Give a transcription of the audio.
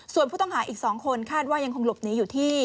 ส่วนผู้ต้องหาอีก๒คนคาดว่ายังคงหลบหนีอยู่ที่